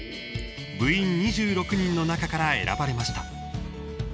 部員２６人の中から選ばれました。